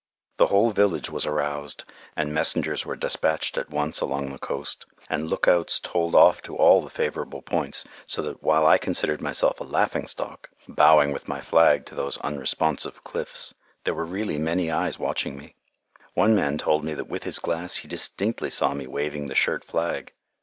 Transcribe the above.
The whole village was aroused, and messengers were despatched at once along the coast, and lookouts told off to all the favorable points, so that while I considered myself a laughing stock, bowing with my flag to those unresponsive cliffs, there were really many eyes watching me. One man told me that with his glass he distinctly saw me waving the shirt flag.